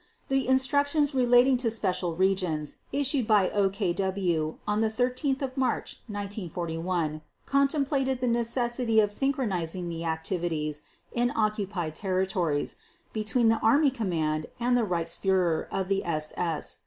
_ The instructions relating to special regions, issued by OKW on 13 March 1941, contemplated the necessity of synchronizing the activities in occupied territories between the army command and the Reichsführer of the SS.